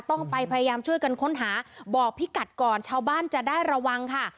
ต้องไปพยายามช่วยกันค้นหาบอกพิกัดก่อนชาวบ้านจะได้ระวังค่ะ